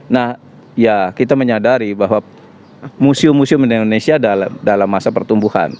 nah ya kita menyadari bahwa museum museum di indonesia dalam masa pertumbuhan